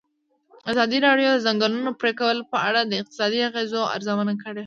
ازادي راډیو د د ځنګلونو پرېکول په اړه د اقتصادي اغېزو ارزونه کړې.